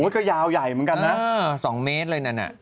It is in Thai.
ก็ยาวใหญ่สองเมตรเลย